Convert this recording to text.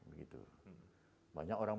begitu banyak orang